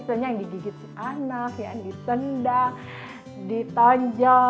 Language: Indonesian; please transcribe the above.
sehingga pemasaran ini bisa membuatnya lebih mudah